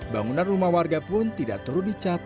bangunan rumah warga pun tidak turun dicat